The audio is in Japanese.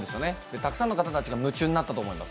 たくさんの方たちが夢中になったと思います。